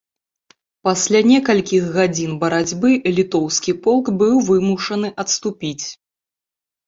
Пасля некалькіх гадзін барацьбы літоўскі полк быў вымушаны адступіць.